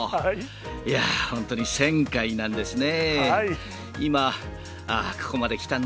いやぁ、本当に１０００回なんですね。